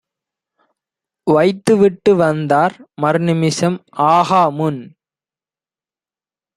வைத்துவிட்டு வந்தார் மறுநிமிஷம் ஆகாமுன்.